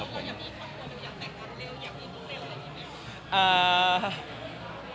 อยากแต่งกันเร็วอยากรู้เร็วอะไรดี